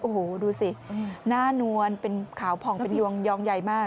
โอ้โหดูสิหน้านวลเป็นขาวผ่องเป็นยวงใหญ่มาก